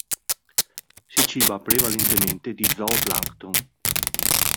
Si ciba prevalentemente di zooplancton.